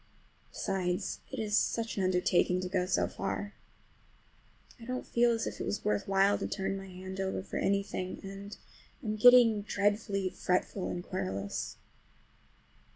Besides, it is such an undertaking to go so far. I don't feel as if it was worth while to turn my hand over for anything, and I'm getting dreadfully fretful and querulous.